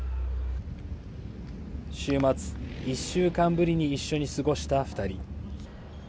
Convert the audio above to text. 週末、１週間ぶりに一緒に過ごした２人。